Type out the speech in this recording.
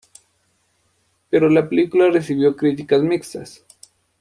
Pero la película recibió críticas mixtas.